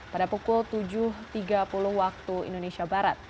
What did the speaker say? pada pukul tujuh tiga puluh waktu indonesia barat